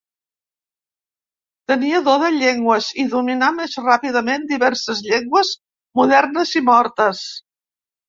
Tenia do de llengües i dominà molt ràpidament diverses llengües modernes i mortes.